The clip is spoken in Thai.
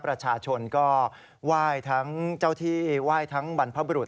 ประชาชนก็ไหว้ทั้งเจ้าที่ไหว้ทั้งบรรพบรุษ